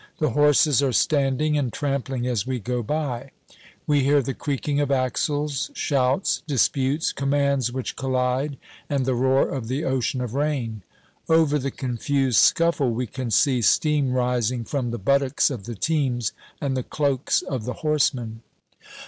The horses are standing and trampling as we go by. We hear the creaking of axles, shouts, disputes, commands which collide, and the roar of the ocean of rain. Over the confused scuffle we can see steam rising from the buttocks of the teams and the cloaks of the horsemen.